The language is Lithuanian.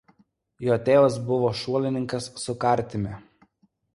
Jo tėvas buvo šuolininkas su kartimi.